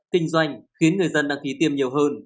kinh doanh khiến người dân đăng ký tiêm nhiều hơn